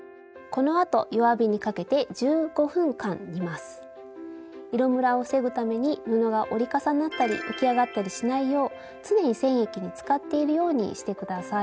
このあと色むらを防ぐために布が折り重なったり浮き上がったりしないよう常に染液につかっているようにして下さい。